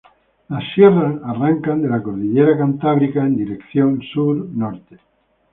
Las sierras arrancan de la cordillera Cantábrica en dirección sur-norte.